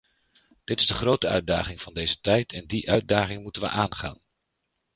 Dit is de grote uitdaging van deze tijd en die uitdaging moeten we aangaan.